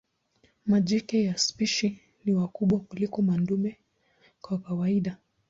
Majike ya spishi ni wakubwa kuliko madume kwa kawaida.